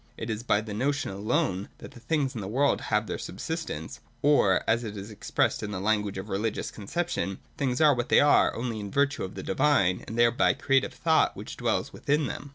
It is by the notion alone that the things in the world have their subsistence ; or, as it is expressed in the language of religious conception, things are what they are, only in virtue of the divine and thereby creative thought which dwells within them.